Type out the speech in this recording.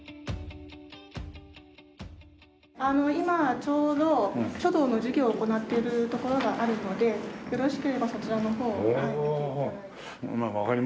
今ちょうど書道の授業を行っているところがあるのでよろしければそちらの方を見て頂いて。